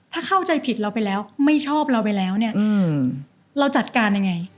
ถ้าเข้าใจผิดเราไปแล้วไม่ชอบเราไปแล้วเนี่ยเราจัดการยังไง